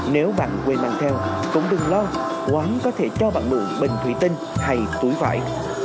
nếu bạn quên mang theo cũng đừng lo quán có thể cho bạn mua bình thủy tinh hay túi vải